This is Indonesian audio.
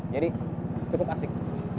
jadi cukup asik